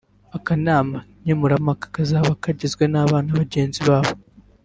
akanama nkemurampaka kazaba kagizwe n’abana bagenzi babo